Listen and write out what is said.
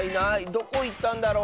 どこいったんだろ。